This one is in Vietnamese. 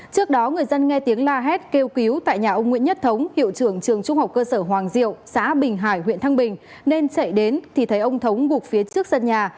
trước đó người dân nghe tiếng la hét kêu cứu tại nhà ông nguyễn nhất thống hiệu trưởng trường trung học cơ sở hoàng diệu xã bình hải huyện thăng bình nên chạy đến thì thấy ông thống buộc phía trước sân nhà